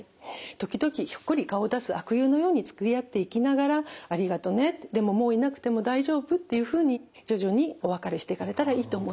時々ひょっこり顔を出す悪友のようにつきあっていきながら「ありがとね。でももういなくても大丈夫」っていうふうに徐々にお別れしていかれたらいいと思います。